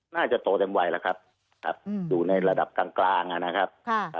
น่าจะโตเต็มวัยแล้วครับครับอยู่ในระดับกลางนะครับ